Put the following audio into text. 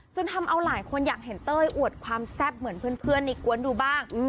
ทำเอาหลายคนอยากเห็นเต้ยอวดความแซ่บเหมือนเพื่อนในกวนดูบ้าง